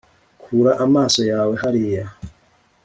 kura amaso yawe hariya